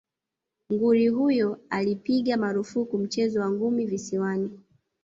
Nguri huyo alipiga marufuku mchezo wa ngumi visiwani